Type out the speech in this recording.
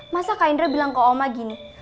masa kak indra bilang ke oma gini